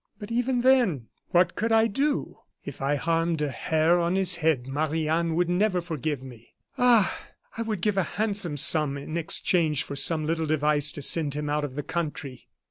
But even then, what could I do? If I harmed a hair of his head, Marie Anne would never forgive me. Ah! I would give a handsome sum in exchange for some little device to send him out of the country."